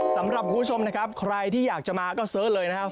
สำหรับคุณผู้ชมนะครับใครที่อยากจะมาก็เสิร์ชเลยนะครับ